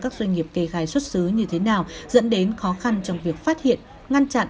các doanh nghiệp kề gai xuất xứ như thế nào dẫn đến khó khăn trong việc phát hiện